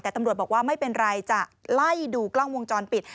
แต่ตำรวจบอกว่าไม่เป็นไรจะไล่ดูกล้องวงจรปิด